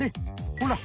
ほら！